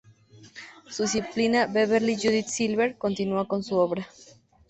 Su discípula Beverly Judith Silver continúa con su obra.